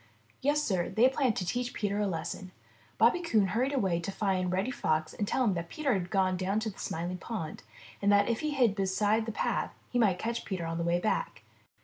Yes, Sir, they planned to teach Peter a lesson. Bobby Coon hurried away to find Reddy Fox and tell him that Peter had gone down to the Smiling Pool, and that if he hid beside the path, he might catch Peter on the way back.